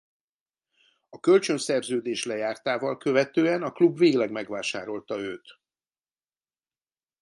A kölcsön szerződés lejártával követően a klub végleg megvásárolta őt.